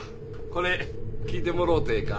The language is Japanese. これ聞いてもろうてええか？